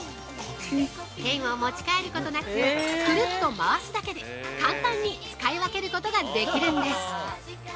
◆ペンを持ち替えることなくくるっと回すだけで簡単に使い分けることができるんです。